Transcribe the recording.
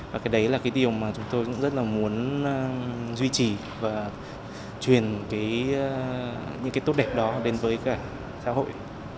và cái đấy là cái điều mà chúng tôi cũng rất là muốn duy trì và truyền những cái tốt đẹp đó đến với cả xã hội